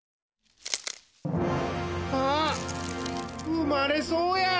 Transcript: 生まれそうや！